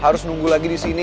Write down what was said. harus nunggu lagi disini